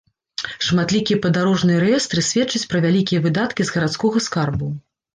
Шматлікія падарожныя рэестры сведчаць пра вялікія выдаткі з гарадскога скарбу.